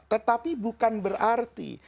tetapi bukan berarti